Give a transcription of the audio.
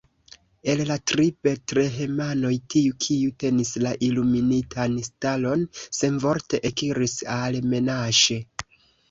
El la tri betlehemanoj tiu, kiu tenis la iluminitan stalon, senvorte ekiris al Menaŝe.